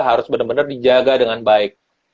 harus benar benar dijaga dengan baik